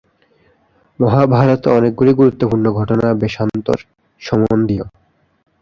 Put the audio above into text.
মহাভারতে অনেকগুলি গুরুত্বপূর্ণ ঘটনা বেশান্তর-সম্বন্ধীয়।